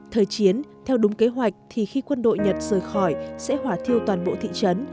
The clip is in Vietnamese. thời chiến theo đúng kế hoạch thì khi quân đội nhật rời khỏi sẽ hỏa thiêu toàn bộ thị trấn